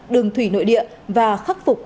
đường thủy nội địa và khắc phục